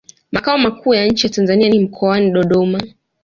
Makao makuu ya nchi ya Tanzania ni mkoani Dododma